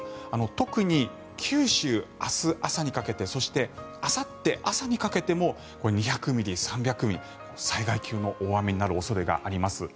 特に九州、明日朝にかけてそして、あさって朝にかけても２００ミリ、３００ミリ災害級の大雨になる恐れがあります。